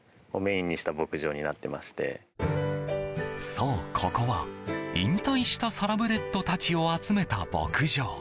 そう、ここは引退したサラブレッドたちを集めた牧場。